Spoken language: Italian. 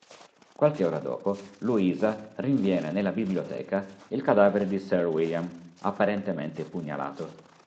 Qualche ora dopo, Louisa rinviene nella biblioteca il cadavere di Sir William, apparentemente pugnalato...